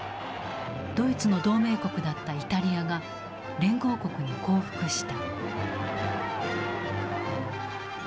ドイツの同盟国だったイタリアが連合国に降伏した。